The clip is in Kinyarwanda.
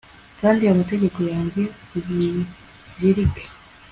Kandi amategeko yanjye uyizirike